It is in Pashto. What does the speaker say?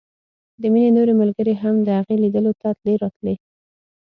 د مينې نورې ملګرې هم د هغې ليدلو ته تلې راتلې